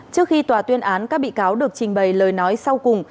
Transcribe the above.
trước khi tòa tuyên án các bị cáo được trình bày lời nói sau cùng